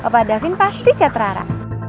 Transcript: bapak davin pasti chat rara